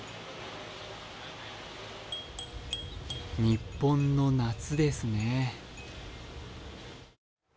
日本の夏ですね。